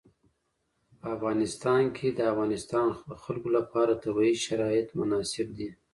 په افغانستان کې د د افغانستان خلکو لپاره طبیعي شرایط مناسب دي.